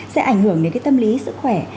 sẽ ảnh hưởng đến cái tâm lý sức khỏe